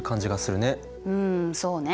うんそうね。